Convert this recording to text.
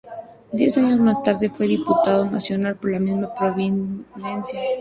Diez años más tarde fue diputado nacional por la misma provincia.